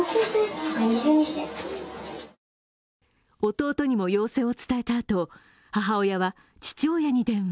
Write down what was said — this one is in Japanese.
弟にも陽性を伝えたあと、母親は父親に電話。